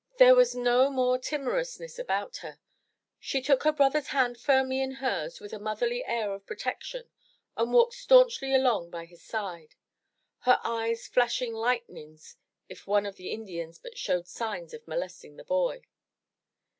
There was no more timor ousness about her; she took her brother's hand firmly in hers with a motherly air of protection and walked staunchly along by his side, her eyes flashing lightnings if one of the Indians but showed signs of molesting the boy.